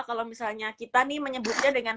kalau misalnya kita nih menyebutnya dengan